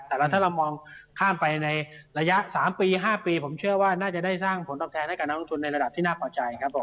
แต่ถ้าเรามองข้ามไปในระยะ๓ปี๕ปีผมเชื่อว่าน่าจะได้สร้างผลตอบแทนให้กับนักลงทุนในระดับที่น่าพอใจครับผม